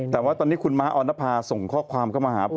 แต่ว่าตอนนี้คุณม้าออนภาส่งข้อความเข้ามาหาผม